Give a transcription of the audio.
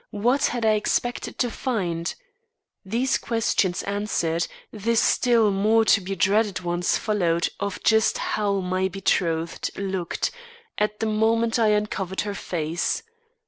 What had I expected to find? These questions answered, the still more to be dreaded ones followed of just how my betrothed looked at the moment I uncovered her face.